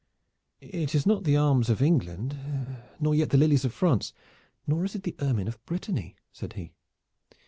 "It is not the arms of England, nor yet the lilies of France, nor is it the ermine of Brittany," said he.